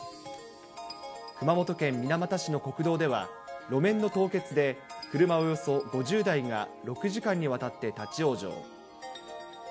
熊本県水俣市の国道では、路面の凍結で車およそ５０台が６時間にわたって立往生。